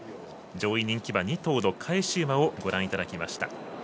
上位人気馬２頭の返し馬をご覧いただきました。